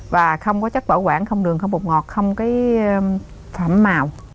và không có chất bảo quản không đường không bột ngọt không phẩm mà